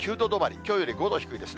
きょうより５度低いですね。